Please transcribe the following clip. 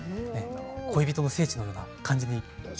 恋人の聖地のような感じに。